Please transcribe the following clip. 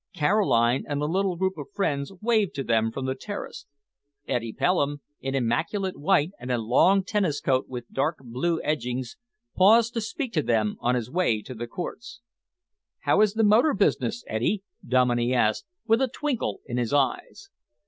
Caroline and a little group of friends waved to them from the terrace. Eddy Pelham, in immaculate white, and a long tennis coat with dark blue edgings, paused to speak to them on his way to the courts. "How is the motor business, Eddy?" Dominey asked, with a twinkle in his eyes.